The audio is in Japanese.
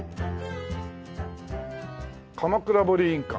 「鎌倉彫印鑑」